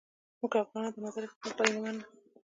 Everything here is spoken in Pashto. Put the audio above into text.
موږ افغانان د نظر اختلاف ولې نه منو